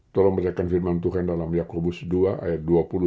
tolong bacakan firman tuhan dalam yakobus dua ayat dua puluh dua puluh dua